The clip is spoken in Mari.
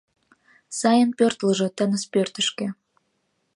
Сайын пӧртылжӧ тыныс пӧртышкӧ.